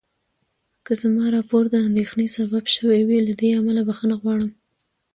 که زما راپور د اندېښنې سبب شوی وي، له دې امله بخښنه غواړم.